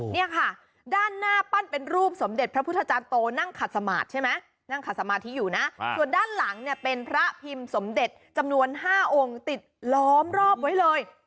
นี่ค่ะด้านหน้าปั้นเป็นรูปสมเด็จพระพุทธจารย์โตนั่งขัดสมาธิใช่ไหมนั่งขัดสมาธิอยู่นะส่วนด้านหลังเนี่ยเป็นพระพิมพ์สมเด็จจำนวน๕องค์ติดล้อมรอบไว้เลย